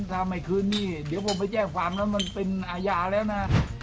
ถ้าไม่คืนนี่เดี๋ยวผมไปแจ้งความแล้วมันเป็นอาญาแล้วนะ